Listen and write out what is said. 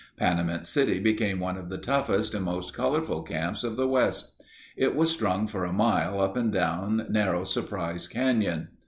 Panamint City became one of the toughest and most colorful camps of the West. It was strung for a mile up and down narrow Surprise Canyon.